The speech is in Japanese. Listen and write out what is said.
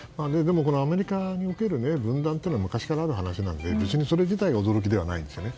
アメリカにおける分断は昔からある話なので別にそれ自体は驚きではないですね。